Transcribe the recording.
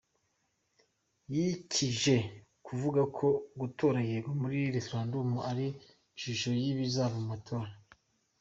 Yikije ku kuvuga ko gutora yego muri referendumu ari ishusho y’ibizava mu matora.